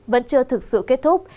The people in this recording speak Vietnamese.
vẫn chưa thực sự kết thúc